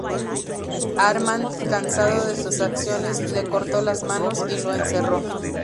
Armand, cansado de sus acciones, le cortó las manos y lo encerró.